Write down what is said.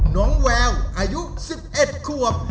น้องแววอายุ๑๑ควบ